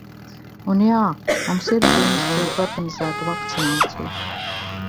Un jā, mums ir brīnišķīgi organizēta vakcinācija.